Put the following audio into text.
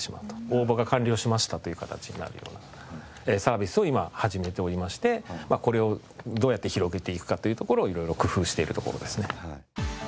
応募が完了しましたという形になるようなサービスを今始めておりましてこれをどうやって広げていくかというところを色々工夫しているところですね。